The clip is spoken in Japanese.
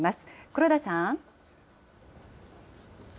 黒田さん。